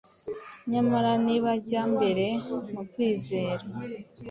Nyamara nibajya mbere mu kwizera,